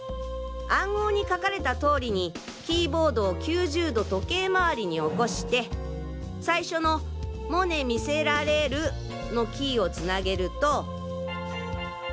暗号に書かれた通りにキーボードを９０度時計回りに起こして最初の。のキーをつなげると。